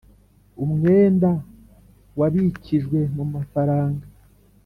Umwenda wabikijwe mu mafaranga